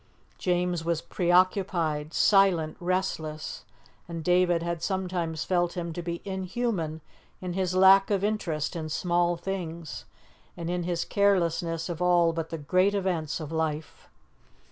James was preoccupied, silent, restless, and David had sometimes felt him to be inhuman in his lack of interest in small things, and in his carelessness of all but the great events of life.